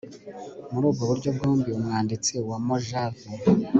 muri ubwo buryo bwombi, umwanditsi wa mojave